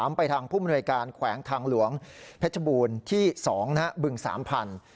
ไปทางผู้มนวยการแขวงทางหลวงเพชรบูรณ์ที่๒บึงสามพันธุ์